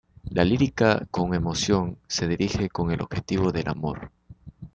La lírica con emoción se dirige con el objetivo del amor.